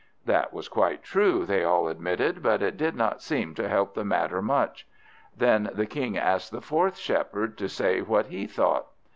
That was quite true, they all admitted; but it did not seem to help the matter much. Then the King asked the fourth Shepherd to say what he thought.